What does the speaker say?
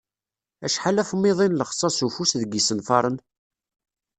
Acḥal afmiḍi n lexsas n ufus deg yisenfaren?